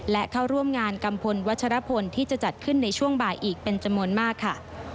และเข้าร่วมงานกัมพลวัชรพลที่จะจัดขึ้นในช่วงบ่ายอีกเป็นจำนวนมากค่ะ